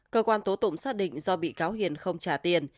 cơ quan tố tụng xác định do bị cáo hiền không trả tiền